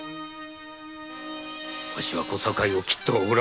わしは小堺を斬ってはおらぬ！